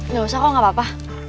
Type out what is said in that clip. gak usah kok gak apa apa